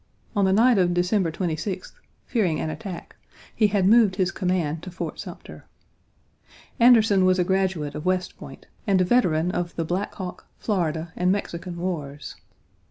On the night of December 26th, fearing an attack, he had moved his command to Fort Sumter. Anderson was a graduate of West Point and a veteran of the Black Hawk, Florida, and Mexican Wars.